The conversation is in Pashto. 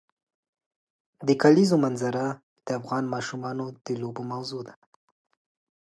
د کلیزو منظره د افغان ماشومانو د لوبو موضوع ده.